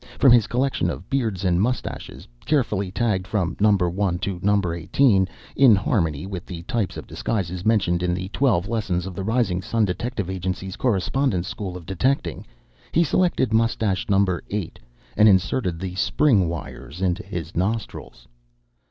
From his collection of beards and mustaches carefully tagged from "Number One" to "Number Eighteen" in harmony with the types of disguise mentioned in the twelve lessons of the Rising Sun Detective Agency's Correspondence School of Detecting he selected mustache Number Eight and inserted the spring wires in his nostrils.